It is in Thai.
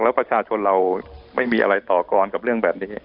แล้วประชาชนเราไม่มีอะไรต่อกรกับเรื่องแบบนี้